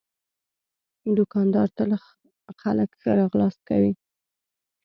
دوکاندار تل خلک ښه راغلاست کوي.